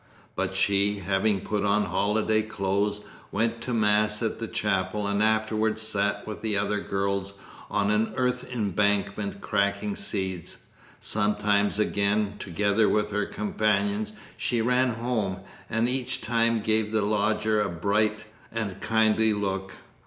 But she, having put on holiday clothes, went to Mass at the chapel and afterwards sat with the other girls on an earth embankment cracking seeds; sometimes again, together with her companions, she ran home, and each time gave the lodger a bright and kindly look.